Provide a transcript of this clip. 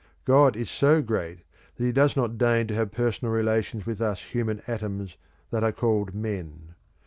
God is so great that he does not deign to have personal relations with us human atoms that are called men.